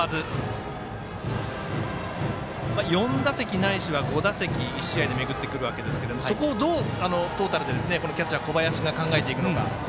４打席ないしは５打席１試合で巡ってくるわけですがそこをどうトータルで考えていくのか。